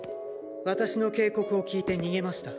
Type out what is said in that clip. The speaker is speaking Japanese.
私の警告を聞いて逃げました。